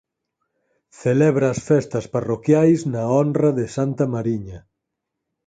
Celebra as festas parroquiais na honra de Santa Mariña.